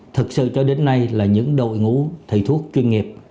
thực sự cho đến nay là những đội ngũ thầy thuốc chuyên nghiệp